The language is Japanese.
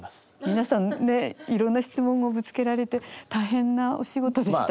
皆さんいろんな質問をぶつけられて大変なお仕事でしたね。